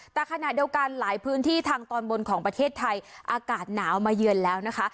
แต่ขณะเดียวกันหลายพื้นที่ทางตอนบนของประเทศไทยอากาศหนาวมาเยือนแล้วนะคะ